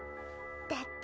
だって。